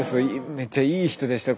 めっちゃいい人でしたよ